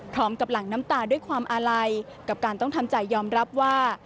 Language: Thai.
หลังน้ำตาด้วยความอาลัยกับการต้องทำใจยอมรับว่า